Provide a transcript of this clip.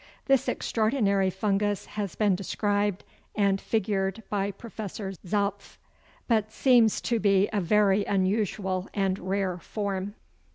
This extraordinary fungus has been described and figured by Professor Zopf, but seems to be a very unusual and rare form.